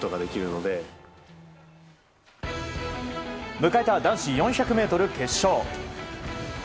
迎えた男子４００ｍ決勝。